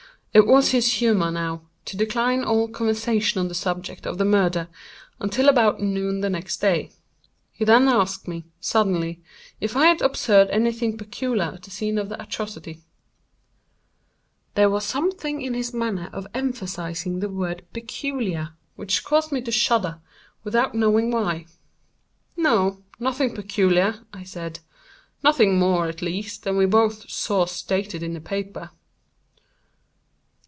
It was his humor, now, to decline all conversation on the subject of the murder, until about noon the next day. He then asked me, suddenly, if I had observed any thing peculiar at the scene of the atrocity. There was something in his manner of emphasizing the word "peculiar," which caused me to shudder, without knowing why. "No, nothing peculiar," I said; "nothing more, at least, than we both saw stated in the paper."